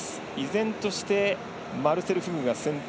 依然としてマルセル・フグが先頭。